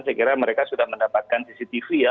saya kira mereka sudah mendapatkan cctv ya